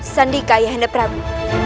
sendikah ayahanda prabu